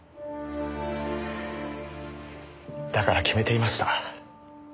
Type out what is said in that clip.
だから決めていました。